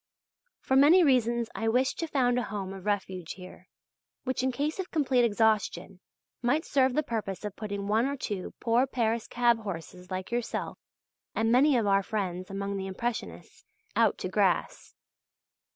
For many reasons I wish to found a home of refuge here, which in case of complete exhaustion might serve the purpose of putting one or two poor Paris cab horses like yourself and many of our friends among the Impressionists, out to grass.